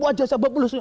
wajah saya berpulus